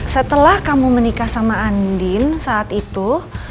setelah kamu menikah sama andin saat itu